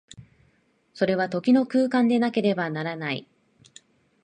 それは時の空間でなければならない。